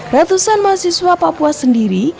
ratusan mahasiswa papua sendiri